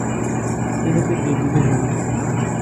Nnan-as ad yeldey tazewwut.